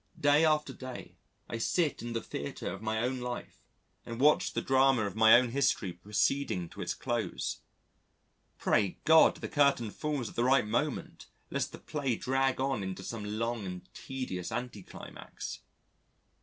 Day after day I sit in the theatre of my own life and watch the drama of my own history proceeding to its close. Pray God the curtain falls at the right moment lest the play drag on into some long and tedious anticlimax.